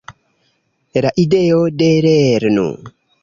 La ideo de "lernu!